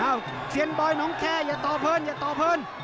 เอ้าเซียนบอยน้องแค่อย่าต่อเพิ่มอย่าต่อเพิ่ม